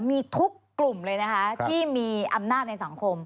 มีทุกกลุ่มเลยนะคะที่มีอำนาจในสังคม